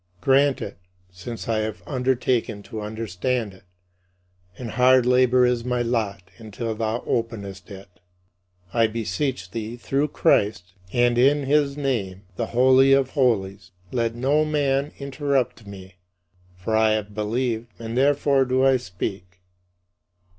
Grant it, since I have undertaken to understand it, and hard labor is my lot until thou openest it. I beseech thee, through Christ and in his name, the Holy of Holies, let no man interrupt me. "For I have believed, and therefore do I speak."